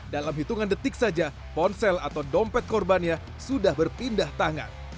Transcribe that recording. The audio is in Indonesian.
dalam hitungan detik saja ponsel atau dompet korbannya sudah berpindah tangan